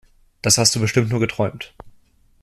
Das hast du bestimmt nur geträumt!